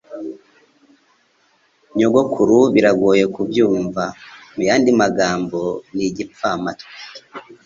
Nyogokuru biragoye kubyumva Muyandi magambo, ni igipfamatwi